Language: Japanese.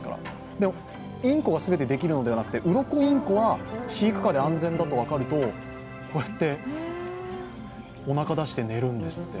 インコが全てできるわけではなくてウロコインコは飼育下で安全だと分かると、こうやっておなか出して寝るんですって。